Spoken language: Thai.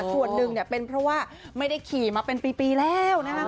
ส่วนหนึ่งเนี่ยเป็นเพราะว่าไม่ได้ขี่มาเป็นปีแล้วนะครับ